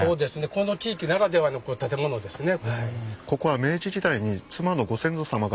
この地域ならではの建物ですね。